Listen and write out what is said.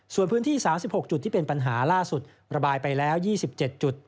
ส่วนพื้นที่๓๖จุดที่เป็นปัญหาล่าสุดระบายไปแล้ว๒๗จุด